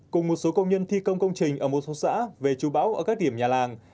cùng một số công nhân thi công công trình ở một số xã về chú bão ở các điểm nhà làng